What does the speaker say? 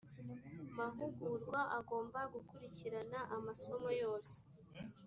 mahugurwa agomba gukurikirana amasomo yose